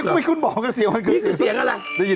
มันคือเสียงอะไร